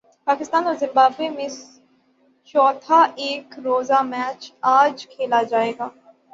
پاکستان اور زمبابوے میں چوتھا ایک روزہ میچ اج کھیلا جائے گا